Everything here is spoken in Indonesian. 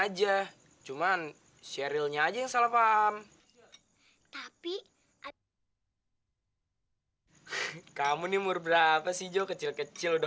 aja cuman sherylnya aja yang salah paham tapi aduh kamu nih umur berapa sih jo kecil kecil udah